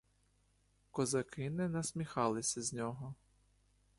Козаки не насміхалися з нього.